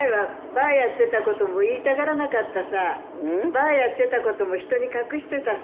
バーやってたことも人に隠してたさ。